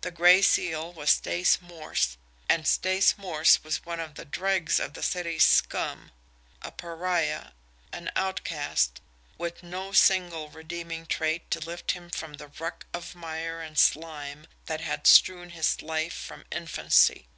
The Gray Seal was Stace Morse and Stace Morse was of the dregs of the city's scum, a pariah, an outcast, with no single redeeming trait to lift him from the ruck of mire and slime that had strewn his life from infancy.